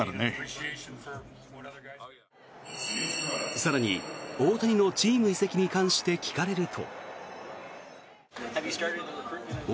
更に大谷のチーム移籍に関して聞かれると。